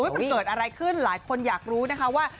มันเกิดอะไรขึ้นหลายคนอยากรู้นะคะว่า